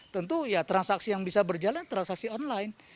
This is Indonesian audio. tentu ya transaksi yang bisa berjalan transaksi online